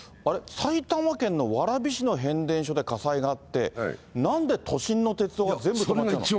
埼玉県の蕨市の変電所で火災があって、なんで都心の鉄道が全部止まっちゃうの？